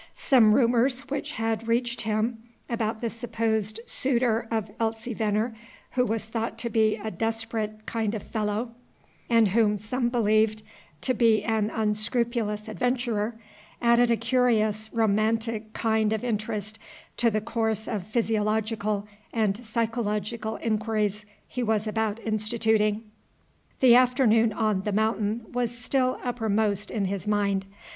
Some rumors which had reached him about the supposed suitor of Elsie Venner, who was thought to be a desperate kind of fellow, and whom some believed to be an unscrupulous adventurer, added a curious, romantic kind of interest to the course of physiological and psychological inquiries he was about instituting. The afternoon on The Mountain was still upper most in his mind.